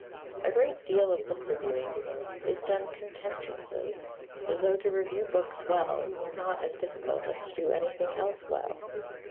A great deal of book reviewing is done contemptuously, as though to review books well were not as difficult as to do anything else well.